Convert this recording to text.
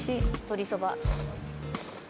鶏そば。